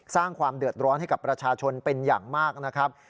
สร้างความเดือดร้อนให้กับประชาชนเป็นอย่างมากนะครับ